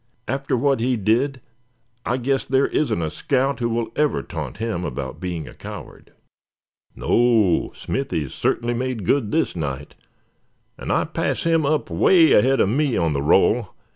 After what he did I guess there isn't a scout who will ever taunt him about being a coward." "No, Smithy certainly made good this night; and I pass him up away ahead of me on the roll.